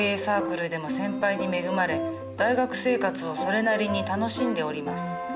サークルでも先輩に恵まれ大学生活をそれなりに楽しんでおります。